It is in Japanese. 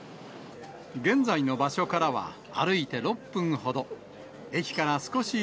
現在の場所からは歩いて６分ほど。